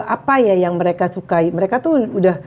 apa ya yang mereka sukai mereka tuh udah